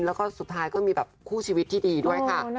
แล้วก็สุดท้ายก็มีแบบคู่ชีวิตที่ดีด้วยค่ะ